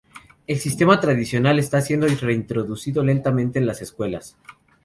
El sistema tradicional está siendo reintroducido lentamente en las escuelas.